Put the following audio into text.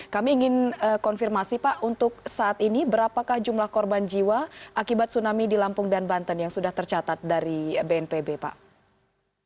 kami ingin konfirmasi pak untuk saat ini berapakah jumlah korban jiwa akibat tsunami di lampung dan banten yang sudah tercatat dari bnpb pak